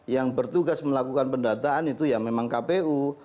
yang bertugas melakukan pendataan itu ya memang kpu